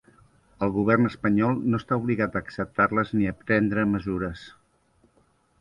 El govern espanyol no està obligat a acceptar-les ni a prendre mesures.